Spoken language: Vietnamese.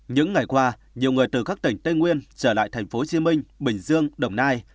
những ngày qua nhiều người từ các tỉnh tây nguyên trở lại tp hcm bình dương đồng nai